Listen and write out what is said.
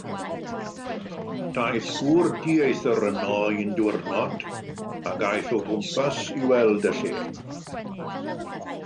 Daeth gŵr dieithr yno un diwrnod, ac aeth o gwmpas i weld y lle.